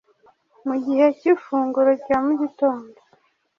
Mu gihe cyifunguro rya mugitondo